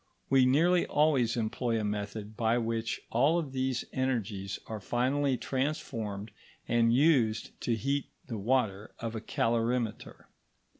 we nearly always employ a method by which all these energies are finally transformed and used to heat the water of a calorimeter.